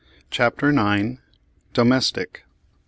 CHAPTER IX. DOMESTIC.